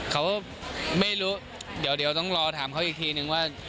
เขาไม่รู้เดี๋ยวต้องรอถามเขาอีกทีนึงว่า